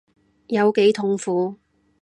有幾痛苦